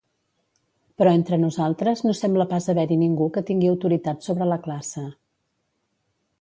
Però entre nosaltres no sembla pas haver-hi ningú que tingui autoritat sobre la classe.